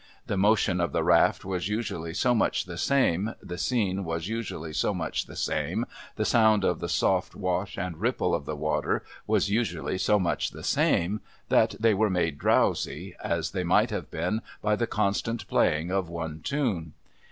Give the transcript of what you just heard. The motion of the raft was usually so much the same, the scene was usually so much the same, the sound of the soft wash and ripple of the water was usually so much the same, that they were made drowsy, as they might have been by the constant playing of one tunc.